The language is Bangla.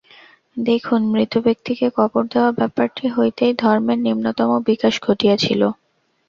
দেখুন, মৃত ব্যক্তিকে কবর দেওয়া ব্যাপারটি হইতেই ধর্মের নিম্নতম বিকাশ ঘটিয়াছিল।